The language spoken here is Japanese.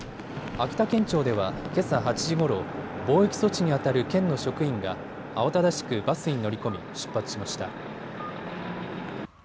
秋田県庁ではけさ８時ごろ、防疫措置にあたる県の職員が慌ただしくバスに乗り込み出発しました。